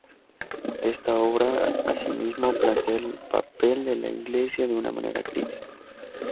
Esta obra, asimismo, plantea el papel de la Iglesia de una manera crítica.